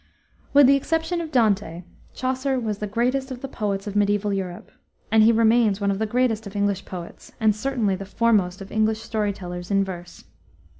With the exception of Dante, Chaucer was the greatest of the poets of mediaeval Europe, and he remains one of the greatest of English poets, and certainly the foremost of English story tellers in verse.